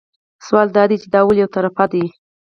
سوال دا دی چې دا ولې یو طرفه دي.